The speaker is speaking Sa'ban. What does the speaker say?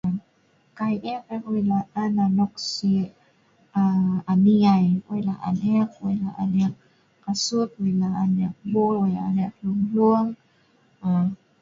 Kai e’ik, e’ik weik la’an anok sik aa.. ani ai. Weik la’an e’ik, weik la’an e’ik kasut, weik la’an e’ik bul, weik la’an ek hlung-hlung aa..